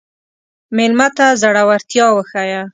مېلمه ته زړورتیا وښیه.